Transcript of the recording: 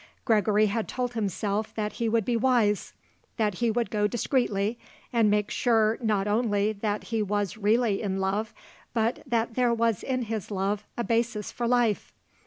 Gregory had told himself that he would be wise; that he would go discreetly and make sure not only that he was really in love, but that there was in his love a basis for life.